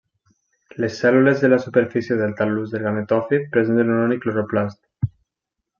Les cèl·lules de la superfície del tal·lus del gametòfit presenten un únic cloroplast.